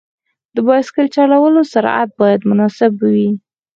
د بایسکل چلولو سرعت باید مناسب وي.